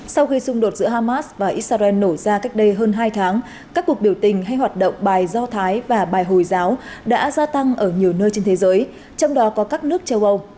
sau khi xung đột giữa hamas và israel nổ ra cách đây hơn hai tháng các cuộc biểu tình hay hoạt động bài do thái và bài hồi giáo đã gia tăng ở nhiều nơi trên thế giới trong đó có các nước châu âu